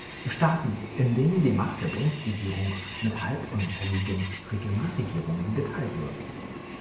Staaten, in denen die Macht der Bundesregierung mit halbunabhängigen Regionalregierungen geteilt wird.